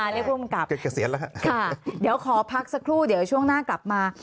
เรียกภูมิกลับค่ะค่ะเดี๋ยวขอพักสักครู่เดี๋ยวช่วงหน้ากลับมา